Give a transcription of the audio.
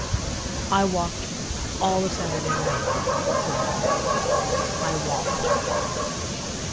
"I walked all the Saturday night," said Leonard. "I walked."